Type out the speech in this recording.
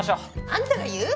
あんたが言う！？